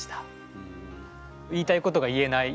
言いたいことが言えない